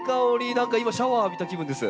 何か今シャワーを浴びた気分です。